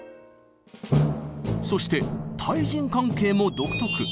そして対人関係も独特。